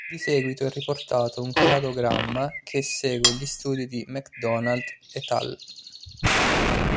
Di seguito è riportato un cladogramma che segue gli studi di McDonald "et al.